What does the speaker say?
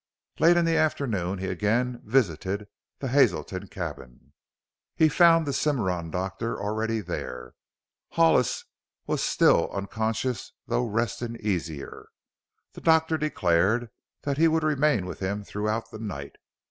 Late in the afternoon he again visited the Hazelton cabin. He found the Cimarron doctor already there. Hollis was still unconscious, though resting easier. The doctor declared that he would remain with him throughout the night.